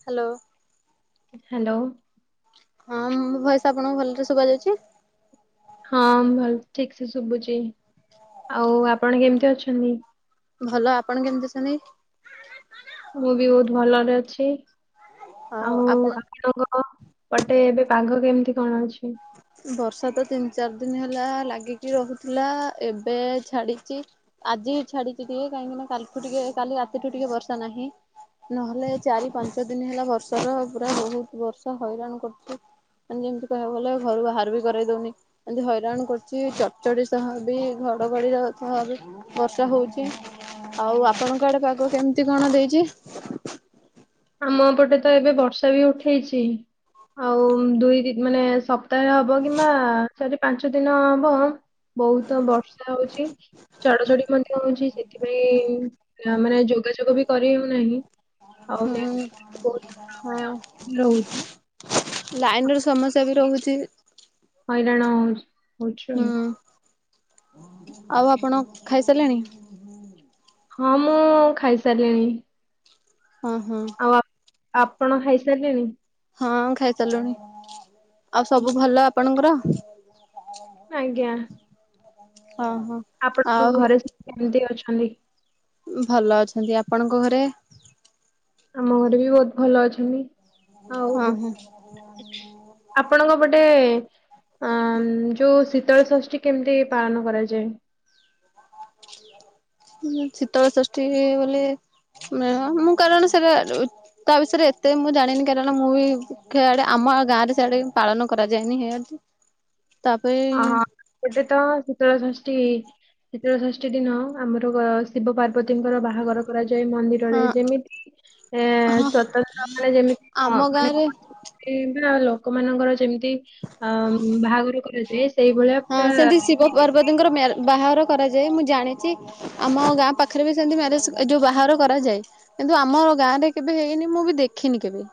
Hello hello. ହଁ ମୋ ଭୟସ ଆପଣଙ୍କୁ ଭଲରେ ଶୁଭାଯାଉଛି। ହଁ ଭଲ ଠିକ ସେ ଶୁଭୁଛି ଆଉ ଆପଣ କେମିତି ଅଛନ୍ତି? ଭଲ ଆପଣ କେମିତି ଅଛନ୍ତି? ମୁଁ ବି ବହୁତ ଭଲରେ ଅଛି ଆଉ ଆପଣଙ୍କ ହଁ ସେପଟେ ଏବେ ପାଗ କେମିତି କଣ ଅଛି? ବର୍ଷା ତ ତିନି ଚାରି ଦିନ ହେଲା ଲାଗିକି ରହୁଥିଲା ଏବେ ଛାଡିଛି। ଆଜିଁ ଛାଡିଚି ଟିକେ କାହିଁକି ନା କାଲିଠୁ ଟିକେ କାଲି ରାତିଠୁ ଟିକେ ବର୍ଷା ନାହିଁ। ନହେଲେ ଚାରି ପାଞ୍ଚ ଦିନ ହେଲା ବର୍ଷାର ପୁରା ବହୁତ ବର୍ଷା ହଇରାଣ କରୁଛି। ମାନେ ଯେମିତି କହିବାକୁ ଗଲେ ଘରୁ ବାହାର ବି କରେଇ ଦଉନି। ଏମିତି ହଇରାଣ କରୁଛି ଚଡଚଡି ସହ ବି ଘଡଘଡିର ସହ ବି ବର୍ଷା ହଉଛି ଆଉ ଆପଣଙ୍କ ଆଡେ ପାଗ କେମିତି କଣ ଦେଇଛି? ଆମ ଏପଟେ ତ ଏବେ ବର୍ଷା ବି ଉଠେଇଛି। ଆଉ ଦୁଇ ମାନେ ସପ୍ତାହେ ହବ କିମ୍ବା ଚାରି ପାଞ୍ଚ ଦିନ ହବ ବହୁତ ବର୍ଷା ହଉଛି। ଚଡଚଡ଼ି ମଧ୍ୟ ହଉଛି ସେଥିପାଇଁ ମାନେ ଯୋଗାଯୋଗ ବି କରି ହଉନାହିଁ। ଆଉ ହୁଁ ହଁ ରହୁଛି ଲାଇନ ର ସମସ୍ୟା ବି ରହୁଛି। ହଇରାଣ ହଉଚି ହଉଛୁ ହୁଁ ଆଉ। ଆଉ ଆପଣ ଖାଇସାରିଲେଣି। ହଁ ମୁଁ ଖାଇସାରିଲିଣି। ହୁଁ ହୁଁ। ଆଉ ଆପ ଆପଣ ଖାଇସାରିଲେଣି। ହଁ ଖାଇ ସାରିଲୁଣି ଆଉ ସବୁ ଭଲ ଆପଣଙ୍କର। ଆଜ୍ଞା। ହଁ ହଁ। ଆପଣଙ୍କ ଆଉ ଘରେ ସବୁ କେମତି ଅଛନ୍ତି? ଭଲ ଅଛନ୍ତି ଆପଣଙ୍କ ଘରେ। ଆମ ଘରେ ବି ବହୁତ ଭଲ ଅଛନ୍ତି ହଁ ଆଉ। ହଁ ଆପଣଙ୍କ ପଟେ ଅ ଯୋଉ ଶୀତଳ ଷଷ୍ଠୀ କେମିତି ପାଳନ କରାଯାଏ ଉଁ ଶୀତଳଷଷ୍ଠୀ ବଲେ ମେଳା ମୁଁ କାରଣ ସେଟା ତା ବିଷୟରେ ଏତେ ମୁଁ ଜାଣିନି କାରଣ ମୁଁ ବି ଖେଆଡେ ଆମ ଗାଁରେ ସେଆଡେ ପାଳନ କରାଯାଏନି ସେଇଆଡ ତାପରେ ଗୋଟେ ତ ଶୀତଳ ଷଷ୍ଠୀ ଶୀତଳ ଷଷ୍ଠୀ ଦିନ ଆମର ଶିବ ପାର୍ବତୀଙ୍କର ବାହାଘର କରାଯାଏ ହଁ ମନ୍ଦିରରେ ଯେମିତି ଏ ହଁ ସ୍ଵତନ୍ତ୍ର ମାନେ ଯେମିତି ଆମ ମ ମାନେ ଗାଁରେ କିମ୍ବା ଲୋକମାନଙ୍କର ଯେମିତି ଅ ବାହାଘର କରାଯାଏ। ସେଇଭଳିଆ ପୁରା ଯୁବତୀଙ୍କର ମ୍ୟା ବାହାଘର କରାଯାଏ, ମୁଁ ଜାଣିଛି। ଆମ ଗାଁ ପାଖରେ ବି ସେମତି ମ୍ୟାରେଜ ଯୋଉ ବାହାଘର କରାଯାଏ। କିନ୍ତୁ ଆମର ଗାଁ ରେ କେବେ ହେଇନି, ମୁଁ ବି ଦେଖିନି କେବେ।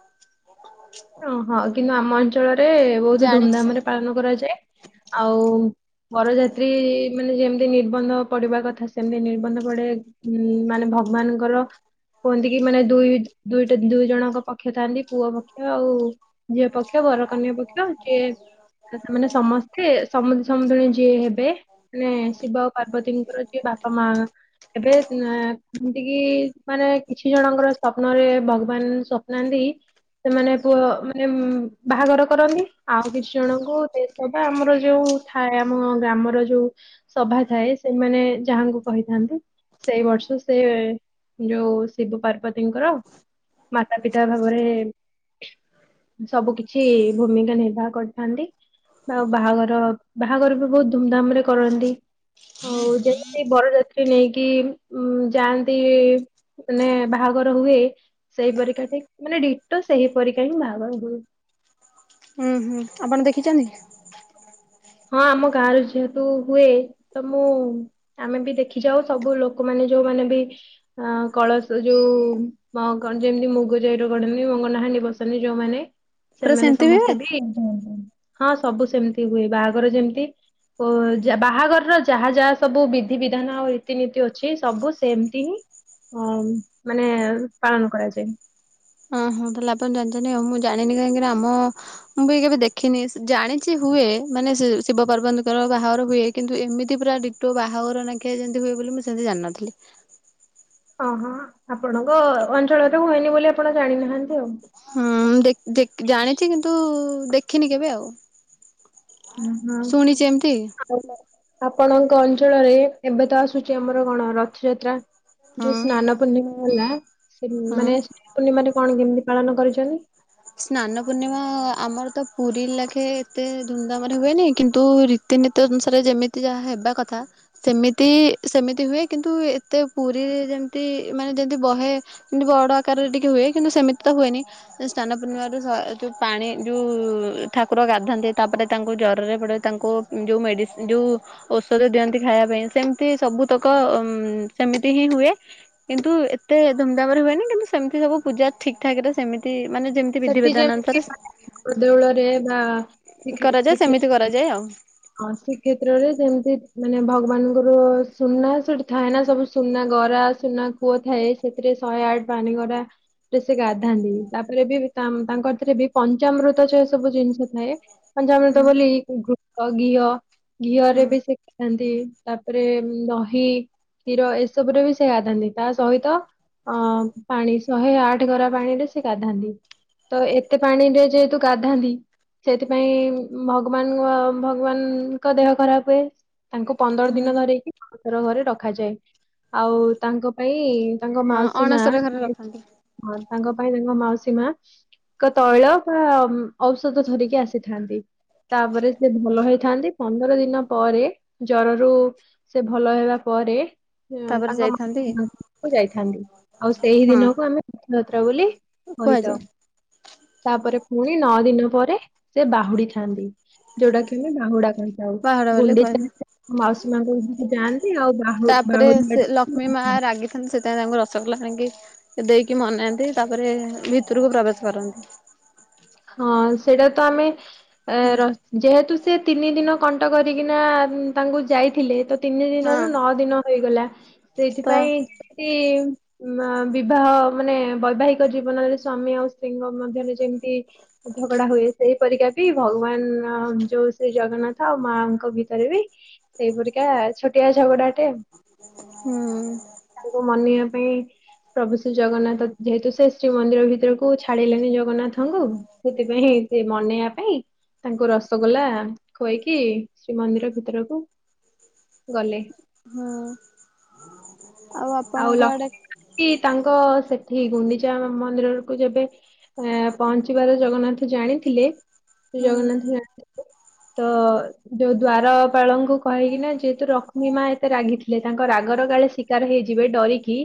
ଓହୋ କିନ୍ତୁ ଆମ ଅଞ୍ଚଳରେ ବହୁତ ଧୁମ୍ ଜାଣିଛି ଧାମ୍ ରେ ସେମିତି। ପାଳନ କରାଯାଏ ଆଉ, ବରଯାତ୍ରୀ ମାନେ ଯେମିତି ନିର୍ବନ୍ଧ ପଡିବା କଥା ସେମତି ନିର୍ବନ୍ଧ ପଡେ। ହୁଁ ମାନେ ଭଗବାନଙ୍କର କୁହନ୍ତି କି ମାନେ ଦୁଇ ଦୁଇଟା ଦୁଇ ଜଣଙ୍କ ପକ୍ଷ ଥାନ୍ତି ପୁଅ ପକ୍ଷ, ଆଉ ଝିଏ ପକ୍ଷ ବରକନ୍ୟା ପକ୍ଷ ସିଏ ସେମାନେ ସମସ୍ତେ ସମୁଦି ସମୁଦୁଣୀ ଯିଏ ହେବେ, ମାନେ ଶିବ ଆଉ ପାର୍ବତୀଙ୍କର ଯିଏ ବାପା ମା ହେ, ଏମିତିକି କିି ମାନେ କିଛି ଜଣଙ୍କର ସ୍ଵପ୍ନରେ ଭଗବାନ ସ୍ୱପ୍ନାନ୍ତି, ସେମାନେ ପୁଅ ମାନେ ବାହାଘର କରନ୍ତି ଆଉ କିଛି ଜଣଙ୍କୁ ଦେସ ବା ଆମର ଯୋଉ ଥାଏ ଆମ ଗ୍ରାମର ଯୋଉ ସଭା ଥାଏ, ସେମାନେ ଯାହାଙ୍କୁ କହିଥାନ୍ତି। ସେଇ ବର୍ଷ ସେ ଯୋଉ ଶିବ ପାର୍ବତୀଙ୍କର ମାତା ପିତା ଭାବରେ ସବୁ କିଛି ଭୂମିକା ନିର୍ବାହ କରିଥାନ୍ତି। ଆଉ ବାହାଘର, ବାହାଘର ବି ବହୁତ ଧୁମଧାମ ରେ କରନ୍ତି। ଆଉ ଯେମିତି ବରଯାତ୍ରୀ ନେଇକି ଉଁ ଯାଆନ୍ତି ଇଏ। ମାନେ ବାହାଘର ହୁଏ, ସେଇ ପରିକା ମାନେ ଡିଟୋ ସେଇ ପରୀିକା ହିଁ ବାହାଘର ହୁଏ। ହୁଁ ହୁଁ ଆପଣ ଦେଖିଛନ୍ତି। ହଁ ଆମ ଗାଁ ର ଯେହେତୁ ହୁଏ ତ ମୁଁ ଆମେ ବି ଦେଖିଛୁ, ଆଉ ସବୁ ଲୋକମାନେ ଯୋଉମାନେ ବି ଅ କଳସ ଯୋଉ ମଗନ ଯେମିତି ମୁଗ ଯାଇ ରଗଢନି ମଙ୍ଗନାହାଣ୍ଡି ବସାନ୍ତିି, ଯୋଉମାନେ, ପୁରା ସେମାନେ ସେମିତି ହୁଏ? ସମସ୍ତେ ବି [unintelligible] ହଁ ସବୁ ସେମିତି ହୁଏ ବାହାଘର ଯେମତି। ଓ ଯ ବାହାଘରର ଯାହା ଯାହା ସବୁ ବିଧିବିଧାନ ଆଉ ରୀତିନୀତି ଅଛି, ସବୁ ସେମତି ହିଁ ହୁଁ ମାନେ ପାଳନ କରାଯାଏ। ହଁ ହଁ ତାହେଲେ ଆପଣ ଜାଣିଛନ୍ତି ଆଉ, ମୁଁ ଜଣିନି କାହିଁକିନା ଆମ ମୁଁ ବି କେବେ ଦେଖିନି, ଜାଣିଛି ହୁଏ ମାନେ ଶିବ ପର୍ବତୀଙ୍କର ବାହାଘର ହୁଏ। କିନ୍ତୁ ଏମିତି ପୁରା ଡିଟୋ ବାହାଘର ନାଖିଆ ଯେମିତି ହୁଏ ବୋଲି ମୁଁ ସେମିତି ଜାଣିନଥିଲି। ଓ ହଁ ଆପଣଙ୍କ ଅଞ୍ଚଳରେ ହୁଏନି ବୋଲି ଆପଣ ଜାଣିନାହାନ୍ତି। ଆଉ ହୁଁ ଦେଖ ଦେଖ ଜାଣିଛି କିନ୍ତୁ ଦେଖିନି କେବେ ଆଉ। ହୁଁ ଶୁଣିଛି ଏମିତି ହଁ। ଆପଣଙ୍କ ଅଞ୍ଚଳରେ ଏବେ ତ ଆସୁଛି ଆମର କଣ ରଥଯାତ୍ରା। ଯୋଉ ହଁ। ସ୍ନାନ ପୂର୍ଣ୍ଣିମା ହେଲା, ସେ ହଁ। ମାନେ ସ୍ନାନ ପୂର୍ଣ୍ଣିମାାରେ କଣ କେମିତି ପାଳନ କରିଛନ୍ତି? ସ୍ନାନ ପୂର୍ଣ୍ଣିମା ଆମର ତ ପୁରୀ ଲାଖେ ଏତେ ଧୁମଧାମ ରେ ହୁଏନି କିନ୍ତୁ ରି ରୀତିନୀତି ଅନୁସାରେ ଯେମିତି ଯାହା ହେବା କଥା। ସେମିତି ସେମିତି ହୁଏ କିନ୍ତୁ ଏତେ ପୁରୀରେ ଯେମତି ମାନେ ଯେମତି ବହେ ଏମତି ବଡ ଆକାରରେ ଟିକେ ହୁଏ କିନ୍ତୁ ସେମିତି ତ ହୁଏନି। ସ୍ନାନ ପୂର୍ଣ୍ଣିମାରୁ ସ ଯେଉଁ ପାଣି ଯେଉଁ ଠାକୁର ଗାଧନ୍ତି ତାପରେ ତାଙ୍କୁ ଜ୍ୱରରେ ପଡ଼େ ତାଙ୍କୁ ଯୋଉ ମେଡ଼ି ଯୋଉ ଔଷଧ ଦିଅନ୍ତି ଖାଇବା ପାଇଁ, ସେମିତି ସବୁତକ ଉ ସେମିତି ହିଁ ହୁଏ। କିନ୍ତୁ ଏତେ ଧୁମଧାମରେ ହୁଏନି କିନ୍ତୁ ସେମିତି ସବୁ ପୂଜା ଠିକ୍ ଠାକ ରେ ସେମିତି ମାନେ ଯେମ ସେଠି ଯେମିତି ଦେଉଳରେ ବା ଶ୍ରୀ ଏମିତି କରାଯାଏ ଆଉ। ହଁ ଶ୍ରୀକ୍ଷେତ୍ରରେ ଯେମିତି ମାନେ ଭଗବାନଙ୍କର ସୁନା ସେଠି ଥାଏ ନା ସବୁ ସୁନା ଗରା ସୁନା କୂଅ ଥାଏ ସେଥିରେ ଶହେ ଆଠ ପାଣି ଗରା ରେ ସେ ଗାଧାନ୍ତି ତାପରେ ବି ତା-ତାଙ୍କ ଏଥିରେ ବି ପଞ୍ଚାମୃତ ସେ ସବୁ ଜିନିଷ ଥାଏ। ପଞ୍ଚାମୃତ ହୁଁ ବୋଲି ଘୃ ତ ଘିଅ ଘିଅରେ ବି ହୁଁ ସେ ଥାନ୍ତି ତାପରେ ଉଁ ଦହି କ୍ଷୀର ଏସବୁରେ ବି ସେ ଗାଧାନ୍ତି ତା ସହିତ ଅ ପାଣି ଶହେ ଆଠ ଗରା ପାଣିରେ ସେ ଗାଧାନ୍ତି। ତ ଏତେ ପାଣିରେ ଯେହେତୁ ଗାଧାନ୍ତି ସେଥିପାଇଁ ଭଗବାନଙ୍କ ଭଗବାନଙ୍କ ଦେହ ଖରାପ ତାଙ୍କୁ ପନ୍ଦର ଦିନ ଧରକି ଅଣସର ଘରେ ରଖାଯାଏ ଆଉ ତାଙ୍କ ପାଇଁ ତାଙ୍କ ହଁ ମାଉସୀ ମା ଅଣସର ଘରେ ରଖନ୍ତି ହଁ ତାଙ୍କ ପାଇଁ ତାଙ୍କ ମାଉସୀ ମା ଏକ ତୈଳ ବା ଔଷଧ ଧରିକି ଆସିଥାନ୍ତି ତାପରେ ସେ ଭଲ ହେଇଥାନ୍ତି। ପନ୍ଦର ଦିନ ପରେ ଜରରୁ ସେ ଭଲ ହେବା ପରେ ତାପରେ ତାଙ୍କ ଯାଇଥାନ୍ତି ମା ଯାଇଥାନ୍ତି ଆଉ ସେଇ ହଁ। ଦିନକୁ ଆମେ ରଥଯାତ୍ରା ବୋଲି କହିଥାଉ। କୁହାଯାଏ ତାପରେ ଫୁଣି ନଅ ଦିନ ପରେ ସେ ବାହୁଡି ଥାନ୍ତି। ଯୋଉଟା କି ଆମେ ବାହୁଡା କହିଥାଉ। ବାହାଡ ବୋଲି କୁହାଯାଏ। ଗୁଣ୍ଡିଚାରେ ସେ ମାଉସୀ ମାଙ୍କ ଘର ଯାଆନ୍ତି ଆଉ ତାପରେ ବାହୁ-ବହୁ [unintelligible] ସେ ତାର [unintelligible] ସେଥିପାଇଁ ତାଙ୍କୁ ରସଗୋଲା ଆଣିକି ଦେଇକି ମନାନ୍ତି। ତାପରେ ଭିତରକୁ ପ୍ରବେଶ କରନ୍ତି। ହଁ ସେଇଟା ତ ଆମେ ଏ ର ଯେହେତୁ ସେ ତିନି ଦିନ କଣ୍ଟ କରିକିନା ତାଙ୍କୁ ଯାଇଥିଲେ। ତିନି ହଁ ଦିନରୁ ନଅ ଦିନ ହୋଇଗଲା। ତ ସେଇଥିପାଇଁ ଯେମିତି ଉଁମା ବିବାହ ମାନେ ବୈବାହିକ ଜୀବନରେ ସ୍ଵାମୀ ଆଉ ସ୍ତ୍ରୀଙ୍କ ମଧ୍ୟରେ ଯେମିତି ଝଗଡା ହୁଏ। ସେଇପରିକା ବି ଭଗବାନ ଯୋଉ ଶ୍ରୀ ଜଗନ୍ନାଥ ଆଉ ମାଙ୍କ ଭିତରେ ବି ସେଇ ପରିକା ଛୋଟିଆ ଝଗଡା ଟେ। ହୁଁ। ତାଙ୍କୁ ମନେଇବା ପାଇଁ ପ୍ରଭୁ ଶ୍ରୀ ଜଗନ୍ନାଥ ଯେହେତୁ ସେ ଶ୍ରୀମନ୍ଦିର ଭିତରକୁ ଛାଡିଲେନି ଜଗନ୍ନାଥଙ୍କୁ ସେଥିପାଇଁ ହିଁସେ ମନେଇବା ପାଇଁ ତାଙ୍କୁ ରସଗୋଲା ଖୋଇକି ଶ୍ରୀମନ୍ଦିର ଭିତରକୁ ଗଲେ। ହଁ ଆଉ ଆପଣଙ୍କ ଆଡେ ସେଠି ତାଙ୍କ ସେଠି ଗୁଣ୍ଡିଚା ମ-ମନ୍ଦିରକୁ ଯେବେ ଏଁ ପହଞ୍ଚିବାର ଜଗନ୍ନାଥ ଜାଣିଥିଲେ ଶ୍ରୀ ହୁଁ ଜଗନ୍ନାଥ ଜାଣି ତ ଯୋଉ ଦ୍ଵାରପାଳଙ୍କୁ କହିକି ନା ଯେହେତୁ ଲକ୍ଷ୍ମୀ ମା ଏତେ ରାଗି ଥିଲେ ତାଙ୍କ ରାଗର କାଳେ ଶିକାର ହେଇ ଯିବେ ଡରିକି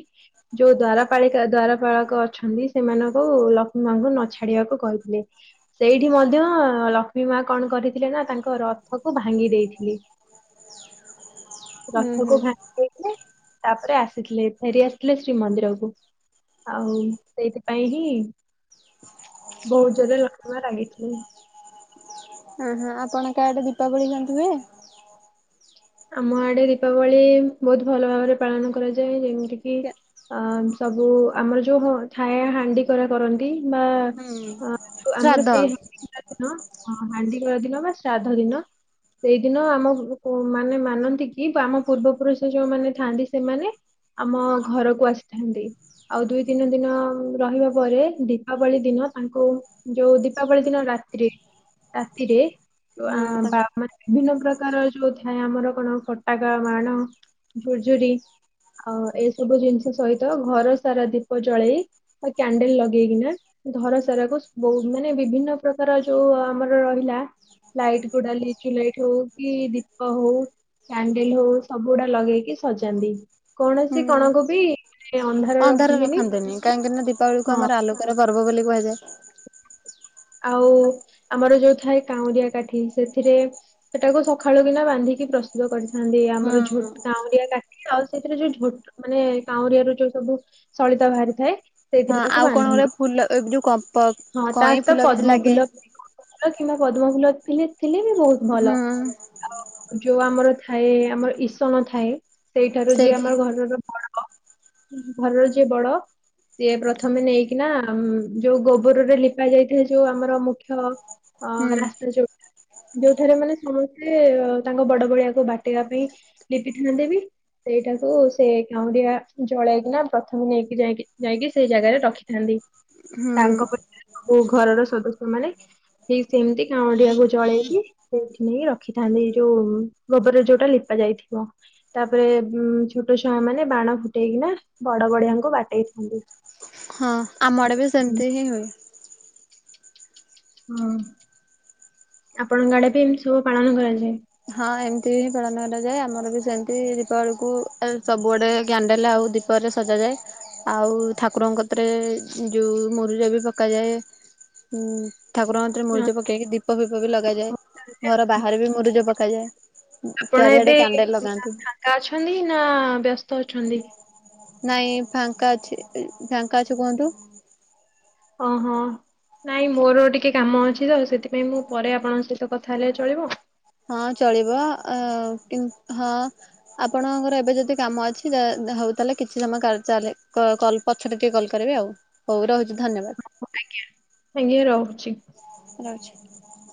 ଯୋଉ ଦ୍ଵାରପାଳିକା ଦ୍ଵାରପାଳକ ଅଛନ୍ତି। ସେମାନଙ୍କୁ ଲକ୍ଷ୍ମୀ ମାଙ୍କୁ ନ ଛାଡିବାକୁ କହିଥିଲେ। ସେଇଠି ମଧ୍ୟ ଲକ୍ଷ୍ମୀ ମା କଣ କରିଥିଲେ ନା ତାଙ୍କ ରଥକୁ ଭାଙ୍ଗି ଦେଇଥିଲେ। [inaudible] ଉଁ ରଥକୁ ହୁଁ ଭାଙ୍ଗି ଦେଇଥିଲେ ତାପରେ ଆ ସିଥିଲେ ଫେରି ଆସିଥିଲେ ଶ୍ରୀମନ୍ଦିରକୁ ଆଉ ସେଇଥିପାଇଁ ହିଁ ବୋହୁତ ଜୋରେ ଲକ୍ଷ୍ମମା ରାଗିଥିଲେ। ହଁ ହଁ ଆପଣଙ୍କ ଆଡେ ଦୀପାବଳୀ କେମିତି ହୁଏ? ଆମ ଆଡେ ଦୀପାବଳି ବୋହୁତ ଭଲ ଭାବରେ ପାଳନ କରାଯାଏ। ଯେମିତି କିି ଅ ସବୁ ଆମର ଯୋଉ ଥାଏ ହାଣ୍ଡି କରା କରନ୍ତି ବା ହୁଁ ତ ଆମର ଶ୍ରାଦ୍ଧ ସେଇ ହାଣ୍ଡି [inaudible] ହାଣ୍ଡିକରା ଦିନ ବା ଶ୍ରାଦ୍ଧ ଦିନ ସେଇଦିନ ଆମକୁ ମାନେ ମାନନ୍ତି କି ଆମ ପୂର୍ବ ପୁରୁଷ ଯୋଉମାନେ ଥାଆନ୍ତି ସେମାନେ ଆମ ଘରକୁ ଆସିଥାନ୍ତି। ଆଉ ଦୁଇ ତିନି ଦିନ ରହିବା ପରେ ଦୀପାବଳି ଦିନ ତାଙ୍କୁ ଯୋଉ ଦୀପାବଳି ଦିନ ରାତିିରେ, ରାତିରେ ଆ ହୁଁ ତ [unintelligible] ବିଭିନ୍ନ ପ୍ରକାର ଯଉ ଥାଏ ଆମର କଣ ଫଟାକା ବାଣ ଝୁର୍, ଝୁରି ଆଉ ଏଇ ସବୁ ଜିନିଷ ସହିତ ଘର ସାରା ଦୀପ ଜଳେଇ ବା କ୍ୟାଣ୍ଡେଲ୍ ଲଗେଇକିନା ଧର ସାରାକୁ ବହୁ ମାନେ ବିଭିନ୍ନ ପ୍ରକାର ଯୋଉ ଆମର ରହିଲା ଲାଇଟ୍ ଗୁଡା ଲିଚୁ ଲାଇଟ୍ ହଉ କି ଦୀ ଦୀପ ହଉ କ୍ୟାଣ୍ଡେଲ ହଉ ସବୁ ଗୁଡା ଲଗେଇକି ସଜାନ୍ତି କୌଣସି ହୁଁ କଣ କୁ ବି ଅନ୍ଧାର ରଖନ୍ତିନି କାହିଁକି ନା ଦୀପାବଳିକୁ ହଁ ଆମର ଆଲୋକର ପର୍ବ ବୋଲି କୁହାଯାଏ। ଆଉ ଆମର ଯୋଉ ଥାଏ କାଉଁରିଆ କାଠି ସେଥିରେ ସେଟାକୁ ସକାଳୁ କିନା ବାନ୍ଧିକି ପ୍ରସ୍ତୁତ କରିଥାନ୍ତି ଆମର ଝୋ- କାଉରିଆ କାଠି ଆଉ ସେଥିରେ ଯୋଉ ଝୋଟ ମାନେ କାଉଁରିଆ କାଠିର ଯୋଉ ସବୁ ସଳିତା ବାହାରିଥାଏ ହଁ ସେଇଥିରେ ତାକୁ ଆଉ କଣ ଗୋରେ ବାନ୍ଧନ୍ତି ଫୁଲ ଏ ଯୋଉ କ- କ କଇଁ ଫୁଲ କିଛି ଲାଗେ। ଭଲ କିମ୍ବା ପଦ୍ମ ଫୁଲ ଥିଲେ ଥିଲେ ବି ବହୁତ ଭଲ। ହୁଁ ଆ ଯୋଉ ଆମର ଥାଏ ଆମର ଇସଣ ଥାଏ ସେଇଠାରୁ ଯିଏ ସେଇଠି ଆମର ଘରର ବଡ ଘରର ଯିଏ ବଡ ସିଏ ପ୍ରଥମେ ନେଇକିନା ଯୋଉ ଗୋ ଗୋବର ରେ ଲିପା ଯାଇଥାଏ ଯୋଉ ଆମର ମୁଖ୍ୟ ଅ ହୁଁ ରାସ୍ତା ଯୋଉ ଯୋଉଠାରେ ମାନେ ସମସ୍ତେ ତାଙ୍କ ବଡ ବଡିଆକୁ ବାଟେଇବା ପାଇଁ ଲିପିଥାନ୍ତି ବି। ସେଇଟାକୁ ସେ କାଉଁରିଆ ଜଳେଇକିନା ପ୍ରଥମେ ନେଇକି ଯାଇି ଯାଇକି ସେଇ ଜାଗାରେ ରଖି ଥାଆନ୍ତି। ହୁଁ। ଓ ଘରର ସଦସ୍ୟ ମାନେ ଠିକ ସେମିତି କାଉଁରିଆ କୁ ଜଳେଇକି ସେଇଠି ନେଇକି ରଖିଥାନ୍ତି ଏଇ ଯୋଉ ଗୋବରରେ ଯୋଉଟା ଲିପା ଯାଇଥିବ। ତାପରେ ଛୋଟ ଉନ୍ ଛୁଆ ମାନେ ବାଣ ଫୁଟେଇକିନା ବଡ ବଡିିଆଙ୍କୁ ବାଟେଇ ଥାନ୍ତି। ହଁ ଆମ ଆଡ଼େ ବି ସେମିତି ହିଁ ହୁଏ। ହଁ ଆପଣଙ୍କ ଆଡେ ବି ଏମତି ସବୁ ପାଳନ କରାଯାଏ? ହଁ ଏମିତି ହିଁ ପାଳନ କରାଯାଏ ଆମର ବି ସେମିତି ଦୀପାବଳି କୁ ସବୁଆଡେ କ୍ୟାଣ୍ଡେଲ ଆଉ ଦୀ ପରେ ସଜାଯାଏ ଆଉ ଠାକୁରଙ୍କ କତିରେ ଯୋଉଁ ମୁରୁଜ ବି ପକାଯାଏ। ହୁଁ ଠାକୁରଙ୍କ କତିରେ ମୁରୁଜ ପକେଇକି ଦୀପ ଫିପ ବି ଲଗାଯାଏ ଘର ବାହାରେ ବି ମରୁଜ ପକା ପକାଯାଏ। ଆପଣ ଚାରିଆଡେ ଏବେ କ୍ୟାଣ୍ଡେଲ ଲଗାନ୍ତି। ଫାଙ୍ଗା ଅଛନ୍ତି ନା ବ୍ୟସ୍ତ ଅଛନ୍ତି? ନାଇଁ ଫାଙ୍କା ଅଛି ଫାଙ୍କା ଅଛି କୁହନ୍ତୁ? ହଁ ହଁ। ନାଇଁ ମୋର ଟିକେ କାମ ଅଛି ତ ସେଥିପାଇଁ ମୁଁ ପରେ ଆପଣଙ୍କ ସହିତ କଥା ହେଲେ ଚଳିବ? ହଁ ଚଳିବ ଅ କି ହଁ। ଆପଣଙ୍କର ଏବେ ଯଦି କାମ ଅଛି ହଉ ତାହେଲେ କିଛି ସମୟ ଚାଲେ [unintelligible] ପଛରେ ଟିକେ କଲ୍ କରିବି ଆଉ ହଉ ରହୁଛି ଧନ୍ୟବାଦ। ଆଜ୍ଞା ଆଜ୍ଞା ରହୁଛି। ରହୁଛି।